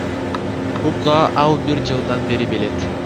Клубга ал бир жылдан бери келет.